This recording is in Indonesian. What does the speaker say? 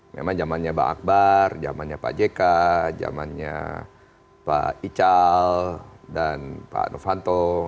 memang zamannya bang akbar zamannya pak jk zamannya pak ical dan pak novanto